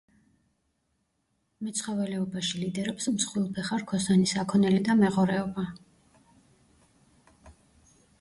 მეცხოველეობაში ლიდერობს მსხვილფეხა რქოსანი საქონელი და მეღორეობა.